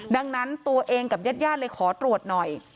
ดังนั้นตัวเองกับญาติญาติเลยขอตรวจหน่อย